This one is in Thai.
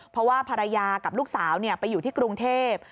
เพราะว่าภรรยากับลูกสาวไปอยู่ที่กรุงเทพ